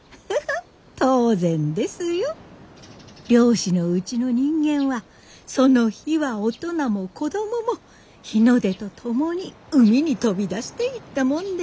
漁師のうちの人間はその日は大人も子供も日の出と共に海に飛び出していったもんです。